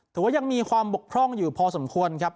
ถือว่ายังมีความบกพร่องอยู่พอสมควรครับ